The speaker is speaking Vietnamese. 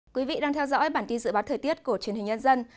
quý vị đang theo dõi bản tin dự báo thời tiết của truyền hình nhân dân